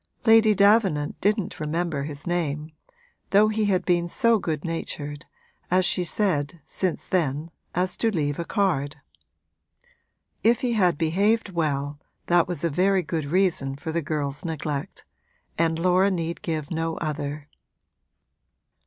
Lady Davenant didn't remember his name, though he had been so good natured, as she said, since then, as to leave a card. If he had behaved well that was a very good reason for the girl's neglect and Laura need give no other.